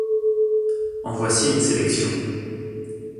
En voici une sélection.